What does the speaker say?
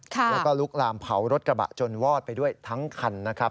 แล้วก็ลุกลามเผารถกระบะจนวอดไปด้วยทั้งคันนะครับ